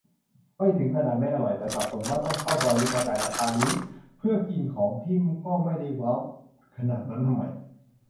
ไม่ถึงขนาดไม่อร่อย แต่สับสนว่า ต้องเข้าซอยลึกมาจ่ายราคานี้ เพื่อกินของที่ก็ไม่ได้ว้าวขนาดนั้นทำไม